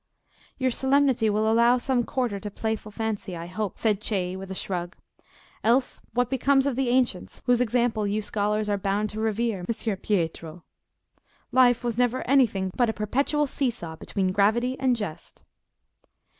"Your solemnity will allow some quarter to playful fancy, I hope," said Cei, with a shrug, "else what becomes of the ancients, whose example you scholars are bound to revere, Messer Pietro? Life was never anything but a perpetual see saw between gravity and jest."